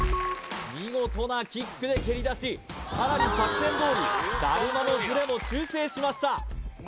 見事なキックで蹴りだしさらに作戦どおりだるまのズレも修正しました